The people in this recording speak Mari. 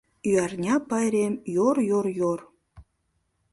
Ӱярня пайрем йор-йор-йор.